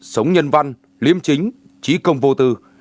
sống nhân văn liêm chính trí công vô tư